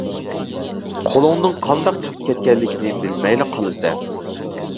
قولۇڭدىن قانداق چىقىپ كەتكەنلىكىنى بىلمەيلا قالىسەن.